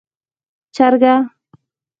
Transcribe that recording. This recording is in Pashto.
🐔 چرګه